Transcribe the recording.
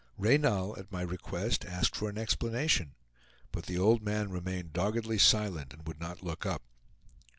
Reynal, at my request, asked for an explanation; but the old man remained doggedly silent, and would not look up.